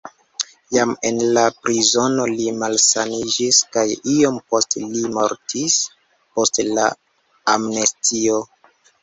Jam en la prizono li malsaniĝis kaj iom poste li mortis post la amnestio.